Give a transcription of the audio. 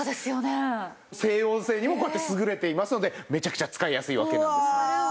静音性にも優れていますのでめちゃくちゃ使いやすいわけなんです。